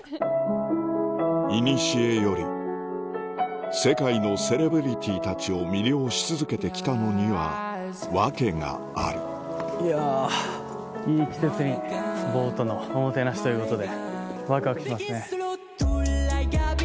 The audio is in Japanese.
いにしえより世界のセレブリティーたちを魅了し続けてきたのには訳があるいやいい季節にボートのおもてなしということで。